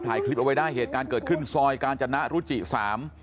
ถ่ายคลิปเอาไว้ได้เหตุการณ์เกิดขึ้นซอยกาญจนะรุจิสาม